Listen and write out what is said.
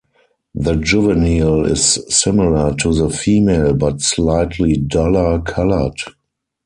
The juvenile is similar to the female but slightly duller colored.